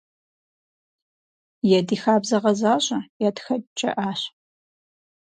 Е ди хабзэ гъэзащӀэ, е тхэкӀ, - жаӀащ.